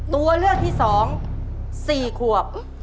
ตัวเลือกที่สอง๔ควบ